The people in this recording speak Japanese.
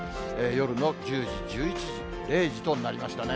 夜の１０時、１１時、０時となりましたね。